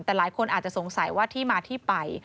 แต่หลายคนอาจจะสงสัยว่าที่มาที่ไป